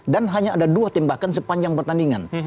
dan hanya ada dua tembakan sepanjang pertandingan